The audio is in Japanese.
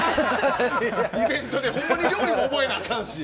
イベントでほんまに料理も覚えなあかんし。